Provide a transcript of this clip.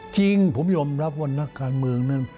จริงผมยอมรับว่านักการเมืองนั้น